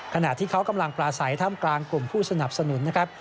ขณะที่เขากำลังปราศัยท่ามกลางกลุ่มผู้สนับสนุนนะครับ